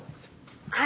はい。